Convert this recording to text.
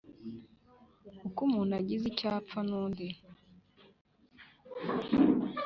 uko umuntu agize icyo apfa n’undi